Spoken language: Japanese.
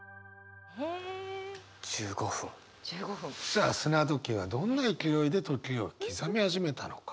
さあ砂時計はどんな勢いで時を刻み始めたのか。